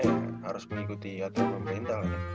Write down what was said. ya harus mengikuti aturan pemerintah lah ya